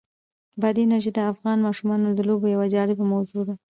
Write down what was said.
بادي انرژي د افغان ماشومانو د لوبو یوه جالبه موضوع ده.